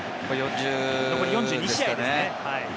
残り４２試合ですね。